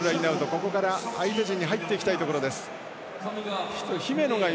ここから相手陣に入っていきたいところです。